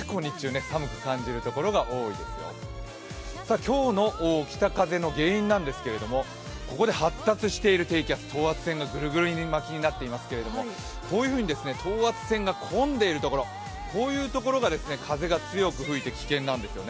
今日の北風の原因なんですけども、ここで発達している低気圧、等圧線がグルグル巻きになっていますけれども、こういうふうに等圧線が混んでいるところが風が強く吹いて危険なんですよね。